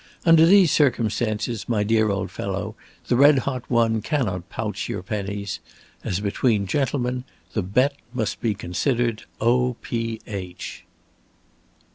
Under these circumstances, my dear old fellow, the red hot one cannot pouch your pennies. As between gentlemen, the bet must be considered o p h."